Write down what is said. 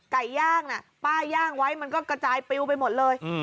ไก่ย่างน่ะป้าย่างไว้มันก็กระจายปิวไปหมดเลย